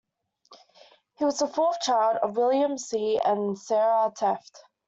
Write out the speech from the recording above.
He was the fourth child of William C. and Sarah Tefft.